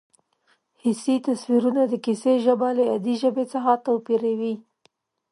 حسي تصویرونه د کیسې ژبه له عادي ژبې څخه توپیروي